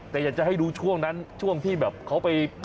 แต่อยากจะให้ดูช่วงนั้นช่วงที่แบบเขาไป